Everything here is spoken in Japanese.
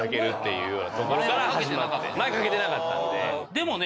でもね